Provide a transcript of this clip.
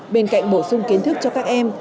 bên cạnh bổ sung kiến thức cho các em